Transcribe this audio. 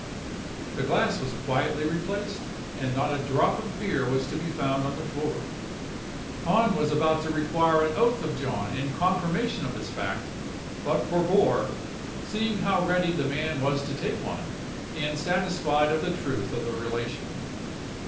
The glass was quietly replaced, and not a drop of beer was to be found on the floor. Hahn was about to require an oath of John in confirmation of this fact; but forbore, seeing how ready the man was to take one, and satisfied of the truth of the relation.